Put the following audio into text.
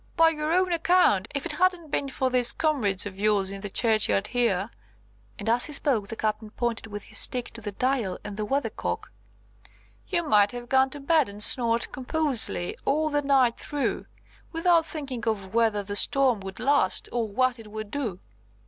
"By your own account, if it hadn't been for these comrades of yours in the churchyard here," and as he spoke the Captain pointed with his stick to the Dial and Weathercock, "you might have gone to bed and snored composedly all the night through, without thinking of whether the storm would last, or what it would do."